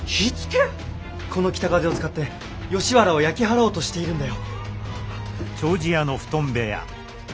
この北風を使って吉原を焼き払おうとしているんだよ。